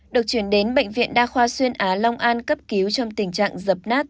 được chuyển đến bệnh viện đa khoa xuyên á long an cấp cứu trong tình trạng dập nát